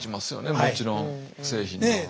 もちろん製品の。